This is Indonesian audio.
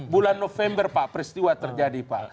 bulan november pak peristiwa terjadi pak